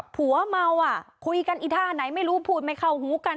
ผัวเมาอ่ะคุยกันอีท่าไหนไม่รู้พูดไม่เข้าหูกัน